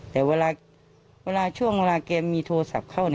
แต่เวลาช่วงเวลาแกมีโทรศัพท์เข้า